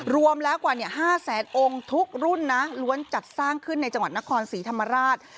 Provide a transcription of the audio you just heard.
รวมแล้วกว่า๕แสนองค์ทุกรุ่นนะล้วนจัดสร้างขึ้นในจังหวัดนครศรีธรรมราช